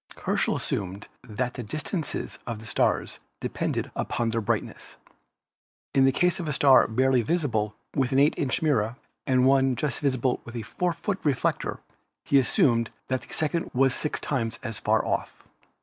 Herschel assumed that the distances of the stars depended upon their brightness. In the case of a star barely visible with an 8 inch mirror and one just visible with a 4 foot reflector he assumed that the second was six times as far off.